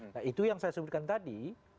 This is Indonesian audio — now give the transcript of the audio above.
nah itu yang saya sebutkan tadi